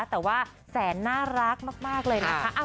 แต่ว่าแสนน่ารักมากเลยนะคะ